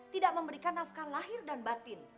tidak memberikan nafkah lahir dan batin